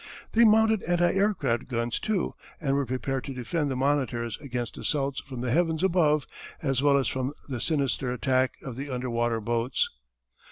They mounted anti aircraft guns too and were prepared to defend the monitors against assaults from the heavens above as well as from the sinister attack of the underwater boats.